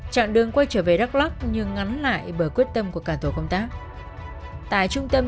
trạng đường quay trở về đắk lắc nhưng ngắn lại bởi quyết tâm của cả tổ công tác tại trung tâm